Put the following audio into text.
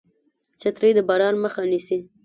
چترۍ د باران مخه نیسي